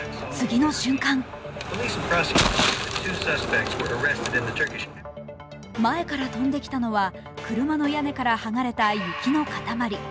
次の瞬間前から飛んできたのは車の屋根から剥がれた雪の塊。